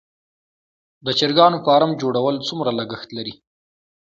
د چرګانو فارم جوړول څومره لګښت لري؟